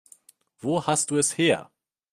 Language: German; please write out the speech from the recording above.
Wo hast du es her?